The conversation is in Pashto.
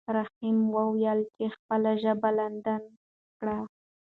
رحیم وویل چې خپله ژبه لنډه کړه.